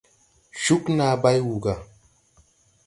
Cúg naa bay wùu gà.